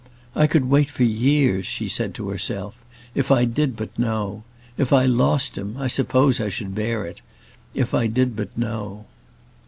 "I could wait for years," she said to herself, "if I did but know. If I lost him, I suppose I should bear it, if I did but know."